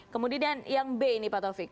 kemudian yang b ini pak taufik